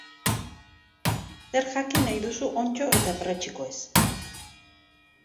Zer jakin nahi duzu onddo eta perretxikoez?